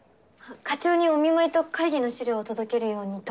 課長にお見舞いと会議の資料を届けるようにと。